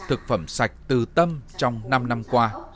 thực phẩm sạch từ tâm trong năm năm qua